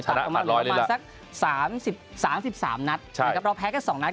ตัดออกมาสัก๓๓นัดแต่ก็เราแพ้แค่๒นัด